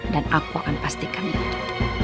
dan aku akan pastikan itu